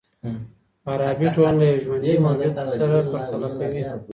فارابي ټولنه له يوه ژوندي موجود سره پرتله کوي.